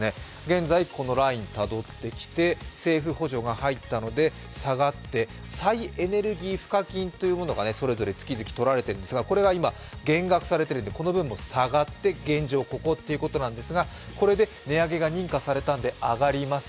現在、このラインをたどってきて政府補助が入ったので下がって再エネルギー賦課金が次々取られているんですが、これが今減額されてこの分も下がって現状、ここということなんですが、これで値上げが認可されたんで上がります。